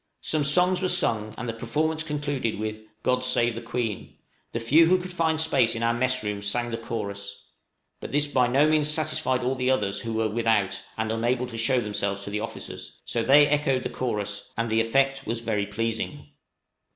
Some songs were sung, and the performance concluded with "God save the Queen;" the few who could find space in our mess room sang the chorus; but this by no means satisfied all the others who were without and unable to show themselves to the officers, so they echoed the chorus, and the effect was very pleasing.